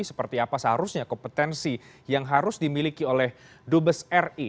seperti apa seharusnya kompetensi yang harus dimiliki oleh dubes ri